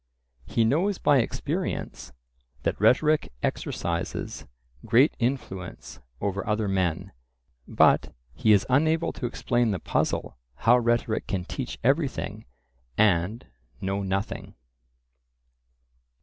He knows by experience that rhetoric exercises great influence over other men, but he is unable to explain the puzzle how rhetoric can teach everything and know nothing.